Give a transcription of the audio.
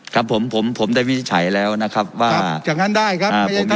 ครับผมผมได้วินิจฉัยแล้วนะครับว่าครับอย่างนั้นได้ครับ